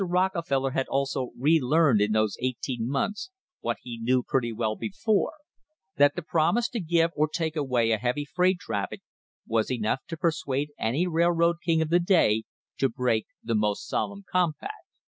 Rockefeller had also re learned in these eighteen months THE HISTORY OF THE STANDARD OIL COMPANY what he knew pretty well before, that the promise to give or take away a heavy freight traffic was enough to persuade any railroad king of the day to break the most solemn compact.